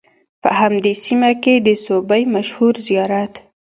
په همدې سیمه کې د سوبۍ مشهور زیارت